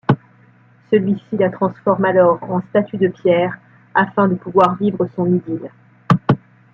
Celui-ci la transforme alors en statue de pierre afin de pouvoir vivre son idylle.